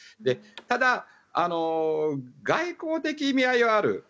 ただ、外交的意味合いはある。